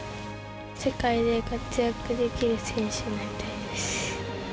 世界で活躍できる選手になりたいです。